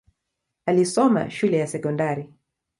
Alisoma shule ya sekondari.